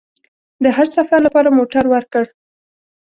د حج سفر لپاره موټر ورکړ.